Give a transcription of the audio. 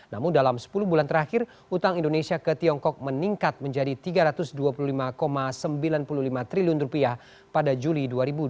namun dalam sepuluh bulan terakhir utang indonesia ke tiongkok meningkat menjadi rp tiga ratus dua puluh lima sembilan puluh lima triliun pada juli dua ribu dua puluh